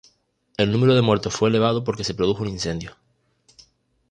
El número de muertos fue elevado porque se produjo un incendio.